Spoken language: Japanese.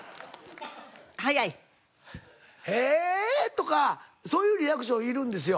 へえ！とかそういうリアクションいるんですよ。